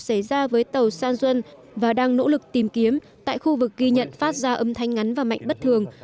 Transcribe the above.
xảy ra với tàu san duân và đang nỗ lực tìm kiếm tại khu vực ghi nhận phát ra âm thanh ngắn và mạnh bất thường